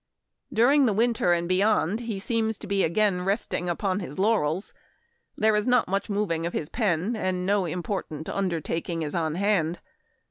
During the winter and beyond, he seems to be again resting upon his laurels. There is not much moving of his pen and no important undertaking is on hand.